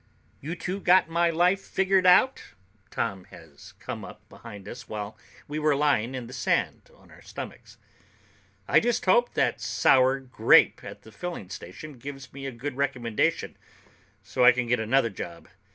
"You two got my life figured out?" Tom has come up behind us while we were lying in the sand on our stomachs. "I just hope that sour grape at the filling station gives me a good recommendation so I can get another job.